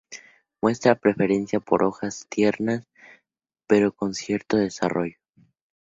Muestra preferencia por hojas tiernas pero con cierto desarrollo.